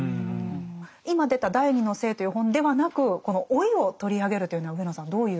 今出た「第二の性」という本ではなくこの「老い」を取り上げるというのは上野さんどういう？